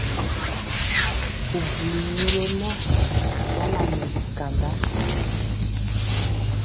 Bubuli nyɛmemɔ jala nɛ bi kanda.